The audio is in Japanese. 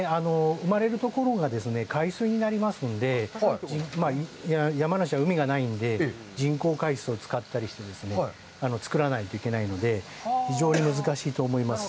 生まれるところが海水になりますので、山梨は海がないので、人工海水を使ったりして作らないといけないので、非常に難しいと思います。